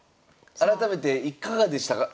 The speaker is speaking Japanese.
改めていかがでしたか？